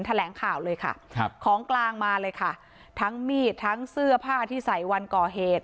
แถลงข่าวเลยค่ะครับของกลางมาเลยค่ะทั้งมีดทั้งเสื้อผ้าที่ใส่วันก่อเหตุ